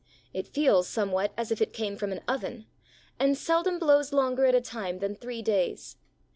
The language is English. It feels somewhat as if it came from an oven, and seldom blows longer at a time than three days.